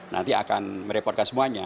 nanti akan merepotkan semuanya